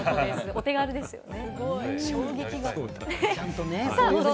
お手軽ですよね。